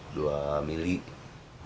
adalah dua mm